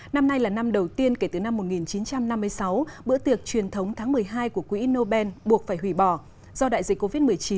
năm nay là năm đầu tiên kể từ năm một nghìn chín trăm năm mươi sáu